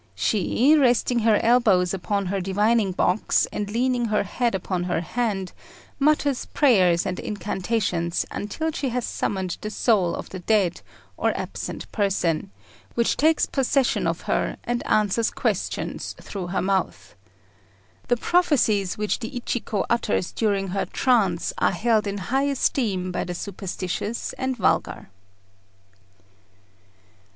She, resting her elbow upon her divining box, and leaning her head upon her hand, mutters prayers and incantations until she has summoned the soul of the dead or absent person, which takes possession of her, and answers questions through her mouth. The prophecies which the Ichiko utters during her trance are held in high esteem by the superstitious and vulgar.